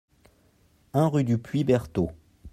un rue du Puits Berthaud